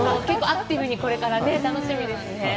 結構アクティブに、これから楽しみですね。